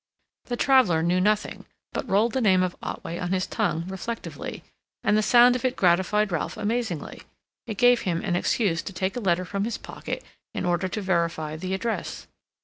The traveler knew nothing, but rolled the name of Otway on his tongue, reflectively, and the sound of it gratified Ralph amazingly. It gave him an excuse to take a letter from his pocket in order to verify the address.